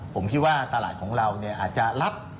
ผมคิดว่าตลาดของเราอาจจะรับ